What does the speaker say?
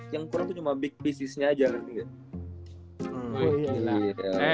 yang kurang tuh cuma big piecesnya aja